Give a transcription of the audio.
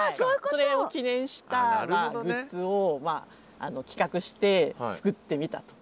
それを記念したグッズを企画して作ってみたと。